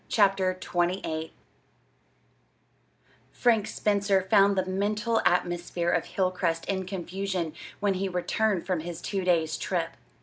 CHAPTER XXVIII Frank Spencer found the mental atmosphere of Hilcrest in confusion when he returned from his two days' trip.